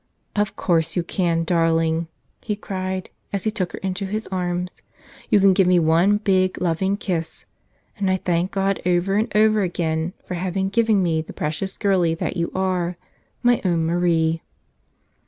"Of course you can, darling," he cried, as he took her into his arms. "You can give me one big, loving kiss. And I thank God over and over again for having given me the precious girlie that you are, my own Marie